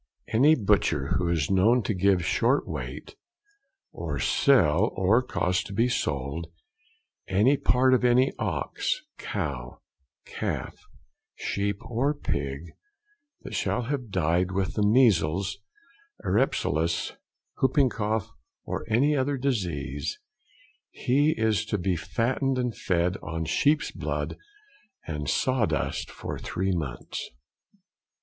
Any Butcher who is known to give short weight, or sell, or cause to be sold, any part of any ox, cow, calf, sheep, or pig, that shall have died with the measles, erysipelas, hooping cough, or any other disease, he is to be fattened and fed on sheep's blood and sawdust for three months.